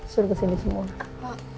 suruh kesini semua